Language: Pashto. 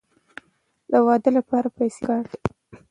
د واده لپاره پیسې پکار دي.